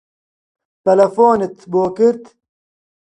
تەلەفۆنت بۆ کرد؟